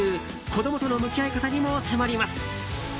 子供との向き合い方にも迫ります。